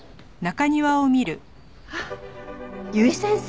あっ由井先生！